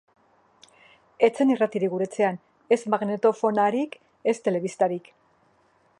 Ez zen irratirik gure etxean, ez magnetofonarik, ez telebistarik.